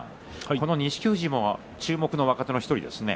この錦富士も注目の若手の１人ですね。